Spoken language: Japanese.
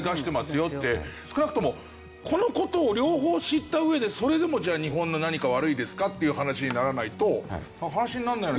よって少なくともこの事を両方知った上でそれでも日本の何か悪いですかっていう話にならないと話にならないような。